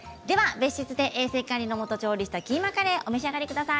別室で衛生管理のもと調理したものをお召し上がりください。